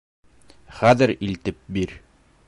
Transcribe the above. — Хәҙер илтеп бир.